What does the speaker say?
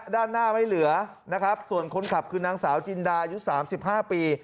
ด้านหน้าไม่เหลือส่วนคนขับคือนางสาวจินดายุทธ์๓๕ปี